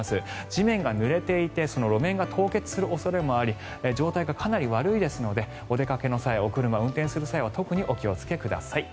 地面がぬれていて路面が凍結する恐れもあり状態がかなり悪いですのでお出かけの際お車を運転する際は特にお気をつけください。